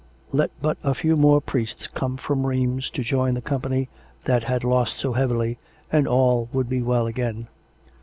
Let but a few more priests come from Rheims to join the company that had lost so heavily, and all would be well again.